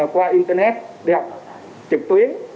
qua internet đi học trực tuyến